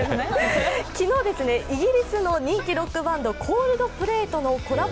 昨日、イギリスの人気ロックバンドコールドプレイとのコラボ